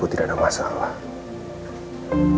mungkin aku punya orang seperti catherine yang